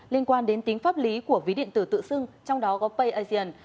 liên quan đến tính pháp lý của ví điện tử tự xưng trong đó có payasian